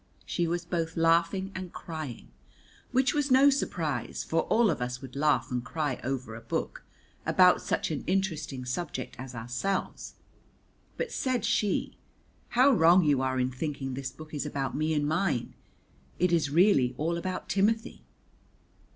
She was both laughing and crying, which was no surprise, for all of us would laugh and cry over a book about such an interesting subject as ourselves, but said she, "How wrong you are in thinking this book is about me and mine, it is really all about Timothy."